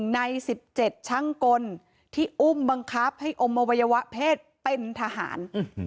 ใน๑๗ช่างกลที่อุ้มบังคับให้อมอวัยวะเพศเป็นทหาร